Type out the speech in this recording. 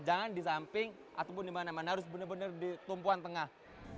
jangan di samping ataupun di mana mana harus benar benar di tumpuan tengah